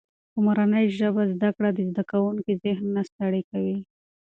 په مورنۍ ژبه زده کړه د زده کوونکي ذهن نه ستړی کوي.